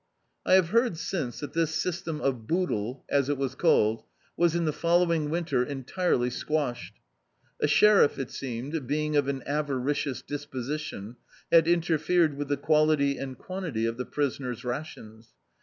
I have heard since that this system of boodle, as it was called, was in the following winter entirely squashed. A sheriff, it seemed, being of an avari cious disposition, had interfered with the quality and quantity of the prisoners' rations.